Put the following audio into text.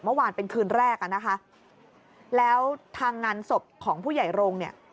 เมื่อวานเป็นคืนแรกแล้วทางงานศพของผู้ใหญ่โรง